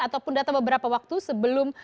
ataupun data beberapa waktu sebelum